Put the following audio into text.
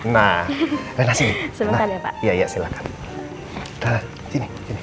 nah renas ini